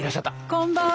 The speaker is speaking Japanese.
こんばんは。